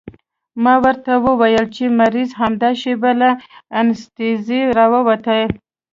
ما ورته وويل چې مريض همدا شېبه له انستيزۍ راوتلى.